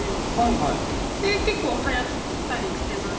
で結構はやったりしてます。